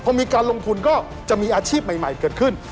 พอมีการลงทุนก็จะมีอาชีพใหม่เกิดขึ้น